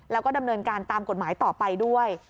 แล้วก็ดำเนินการตามกฎหมายต่อไปด้วย